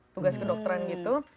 tugas kedokteran gitu